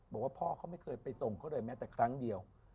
บอกว่าพ่อเขาไม่เคยไปส่งเขาเลยแม้แต่ครั้งเดียว